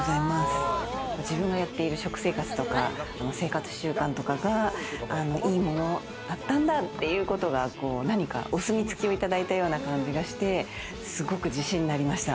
自分がやっている食生活とか生活習慣とかが、いいものだったんだということが、何かお墨付きをいただいたような感じがして、すごく自信になりました。